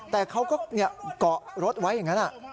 แต่เขาก็เกาะรถไว้อย่างนั้น